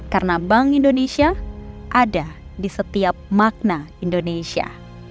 karena bank indonesia ada di setiap makna indonesia